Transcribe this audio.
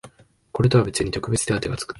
これとは別に特別手当てがつく